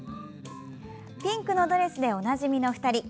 ピンクのドレスでおなじみの２人。